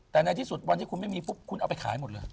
แต่ในที่สุดวันที่คุณไม่มีปุ๊บคุณเอาไปขายหมดเลย